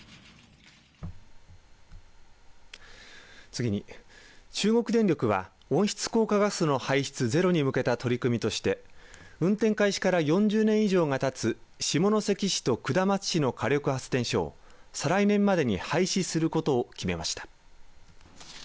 次に、中国電力は温室効果ガスの排出ゼロに向けた取り組みとして運転開始から４０年以上がたつ下関市と下松市の火力発電所を再来年までに廃止することを決めました。